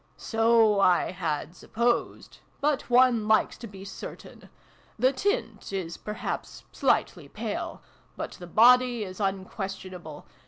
" So I had supposed. But one likes to be certain. The tint is, perhaps, slightly pale. But the body is unquestionable.